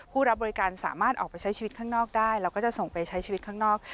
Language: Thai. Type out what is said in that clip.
ผู้รับบริการสามารถออกไปใช้ชีวิตข้างนอกได้แล้วก็จะส่งไปใช้ชีวิตข้างนอก